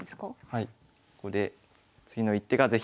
はい。